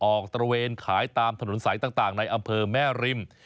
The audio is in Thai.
ตระเวนขายตามถนนสายต่างในอำเภอแม่ริม